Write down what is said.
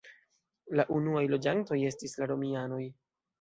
La unuaj loĝantoj estis la romianoj.